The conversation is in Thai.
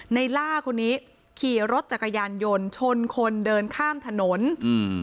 ในล่าคนนี้ขี่รถจักรยานยนต์ชนคนเดินข้ามถนนอืม